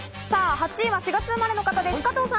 ８位は４月生まれの方です、加藤さん。